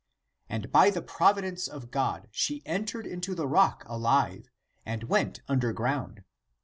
And by the providence of God she entered into the rock alive, and went under ground.